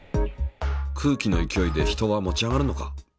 空気の勢いで人は持ち上がるのか？